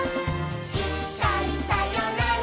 「いっかいさよなら